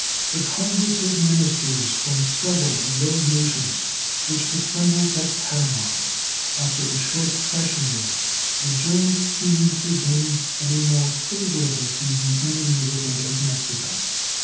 The congress of ministers from several of those nations which assembled at Panama, after a short session there, adjourned to meet again at a more favorable season in the neighborhood of Mexico.